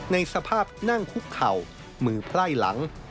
ในสภาพนั่งคุกเข่ามือไพร่หลัง